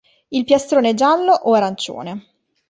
Il piastrone è giallo o arancione.